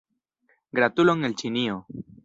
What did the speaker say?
Gratulon el Ĉinio!